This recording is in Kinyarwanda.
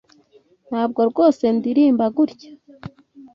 Ntabwo rwose ndirimba gutya.